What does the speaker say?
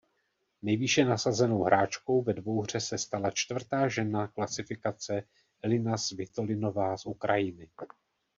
Nejvýše nasazenou hráčkou ve dvouhře se stala čtvrtá žena klasifikace Elina Svitolinová z Ukrajiny.